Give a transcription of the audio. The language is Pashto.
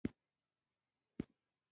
د کرونا وبا خلکو ته د روغتیا اهمیت یاد کړ.